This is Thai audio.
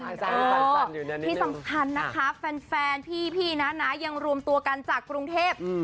ที่สำคัญนะคะแฟนพี่นะยังรวมตัวกันจากกรุงเทพ